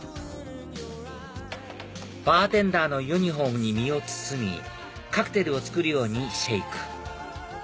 バーテンダーのユニホームに身を包みカクテルを作るようにシェーク